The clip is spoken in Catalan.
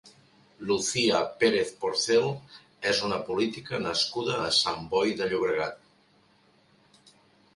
Lucía Pérez Porcel és una política nascuda a Sant Boi de Llobregat.